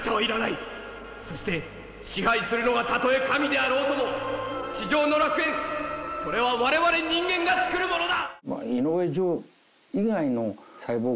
そして支配するのはたとえ神であろうとも地上の楽園それは我々人間が作るものだ！